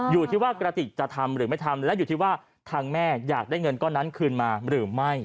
อยู่ที่ว่ากระติกจะทำหรือไม่ทำและอยู่ที่ว่าทางแม่อยากได้เงินก้อนนั้นคืนมาหรือไม่